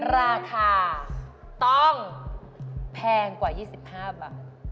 ราคาต้องแพงกว่า๒๕บาท